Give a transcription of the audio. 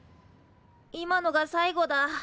今のが最後だ。